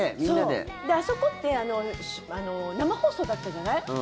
そう、あそこって生放送だったじゃない。